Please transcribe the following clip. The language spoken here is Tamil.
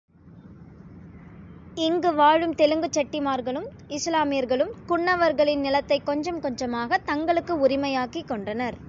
இங்கு வாழும் தெலுங்குச் செட்டிமார்களும், இசுலாமியர்களும் குன்னுவர்களின் நிலத்தைக் கொஞ்சம் கொஞ்சமாகத் தங்களுக்கு உரிமையாக்கிக் கொண்டனர்.